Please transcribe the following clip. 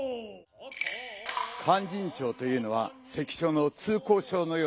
「勧進帳」というのは関所の通行証のようなものです。